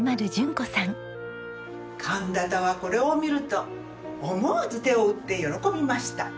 「陀多はこれを見ると思わず手を拍って喜びました」